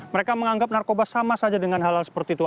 mereka menganggap narkoba sama saja dengan halal seperti itu